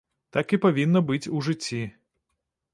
Так і павінна быць у жыцці.